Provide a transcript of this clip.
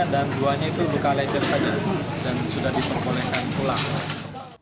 dan dua nya itu buka lecer saja dan sudah diperbolehkan pulang